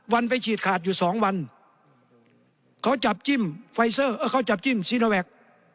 วันไปฉีดขาดอยู่สองวันเขาจับจิ้มไฟเซอร์เขาจับจิ้มซีโนแวค